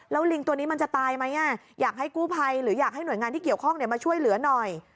แล้วลิงตัวนี้มันจะตายไหมอยากให้กู้ภัยหรืออยากให้หน่วยงานที่เกี่ยวข้องมาช่วยเหลือหน่อย